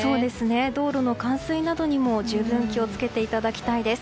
道路の冠水などにも十分気を付けていただきたいです。